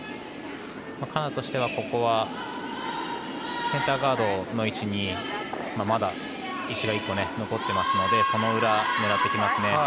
カナダとしては、ここはセンターガードの位置にまだ石が１個残っていますのでその裏を狙っていきますね。